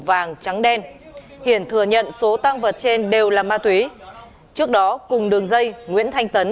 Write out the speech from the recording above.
vàng trắng đen hiển thừa nhận số tăng vật trên đều là ma túy trước đó cùng đường dây nguyễn thanh tấn